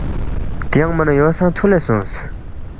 تیانگما نہ یو سہ تُھولے سونگس